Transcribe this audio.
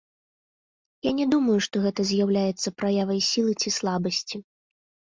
Я не думаю, што гэта з'яўляецца праявай сілы ці слабасці.